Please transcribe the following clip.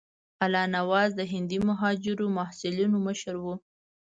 الله نواز د هندي مهاجرو محصلینو مشر وو.